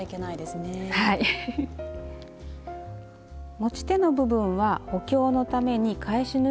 持ち手の部分は補強のために返し縫いをしておきます。